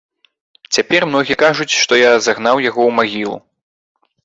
Цяпер многія кажуць, што я загнаў яго ў магілу.